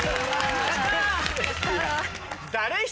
やった。